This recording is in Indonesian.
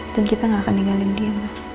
dan kita gak akan ninggalin dia